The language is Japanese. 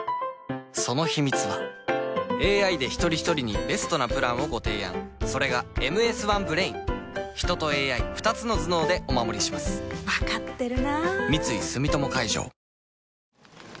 そのヒミツはＡＩで一人ひとりにベストなプランをご提案それが「ＭＳ１Ｂｒａｉｎ」人とＡＩ２つの頭脳でお守りします分かってるなぁ三井住友海上